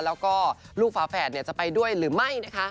แล้วก็ลูกฝาแฝดจะไปด้วยหรือไม่นะคะ